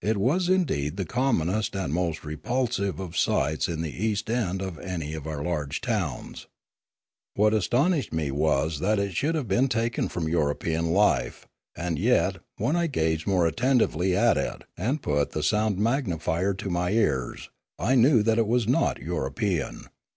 It was indeed the commonest and most repulsive of sights in the east end of any of our large towns. What astonished me was that it should have been taken from European life; and yet, when I gazed more atten tively at it and put the sound magnifier to my ears, I knew that it was not European.